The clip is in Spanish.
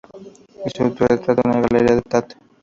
Y su autorretrato en la Galería Tate.